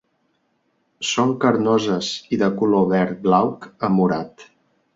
Són carnoses i de color verd glauc a morat.